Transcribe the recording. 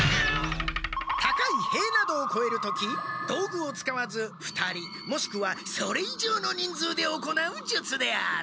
高いへいなどをこえる時道具を使わず２人もしくはそれいじょうの人数で行う術である。